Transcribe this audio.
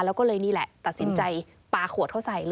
แล้วก็เลยนี่แหละตัดสินใจปลาขวดเขาใส่เลย